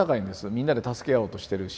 みんなで助け合おうとしてるし。